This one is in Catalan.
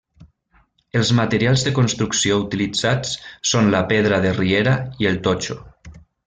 Els materials de construcció utilitzats són la pedra de riera i el totxo.